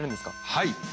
はい。